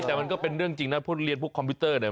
แต่มันก็เป็นเรื่องจริงนะพวกเรียนพวกคอมพิวเตอร์เนี่ย